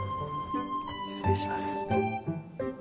失礼します。